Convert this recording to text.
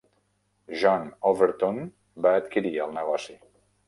John Overton va adquirir el negoci.